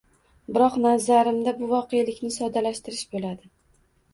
biroq, nazarimda bu voqelikni soddalashtirish bo‘ladi.